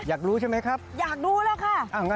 อยากรู้ใช่ไหมครับอยากดูแล้วค่ะ